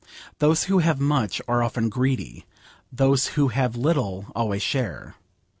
Those who have much are often greedy; those who have little always share.